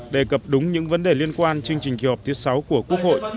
đề cập đúng những vấn đề liên quan chương trình kỳ họp thứ sáu của quốc hội